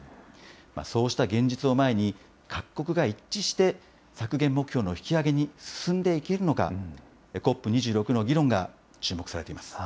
そうした現実を前に、各国が一致して削減目標の引き上げに進んでいけるのか、ＣＯＰ２６の議論が注目されています。